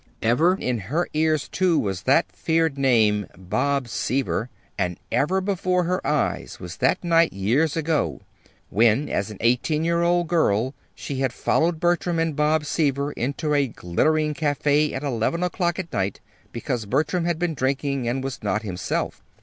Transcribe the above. Ever in her ears, too, was that feared name, "Bob Seaver"; and ever before her eyes was that night years ago when, as an eighteen year old girl, she had followed Bertram and Bob Seaver into a glittering café at eleven o'clock at night, because Bertram had been drinking and was not himself.